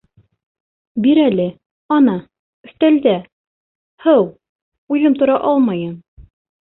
— Бир әле, ана, өҫтәлдә... һыу, үҙем тора алмайым.